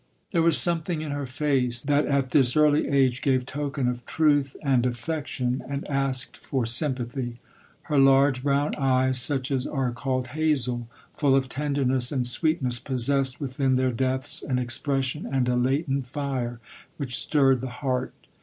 There was something in her face, that at this early age gave token of truth and affection, and asked for sympathy. Her large brown eyes, such as are called hazel, full of tenderness and sweetness, possessed within their depths an ex pression and a latent fire, which stirred the heart.